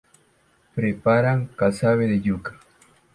Preparan casabe de yuca.